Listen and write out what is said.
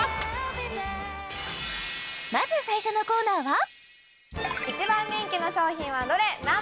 まず最初のコーナーは一番人気の商品はどれ？